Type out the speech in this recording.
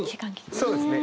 そうですね。